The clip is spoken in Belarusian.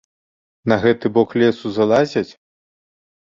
На гэты бок лесу залазяць?